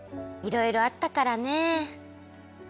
いろいろあったからねえ。